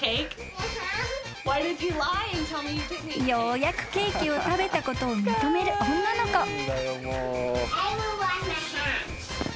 ［ようやくケーキを食べたことを認める女の子］